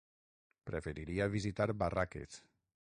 Preferiria visitar Barraques.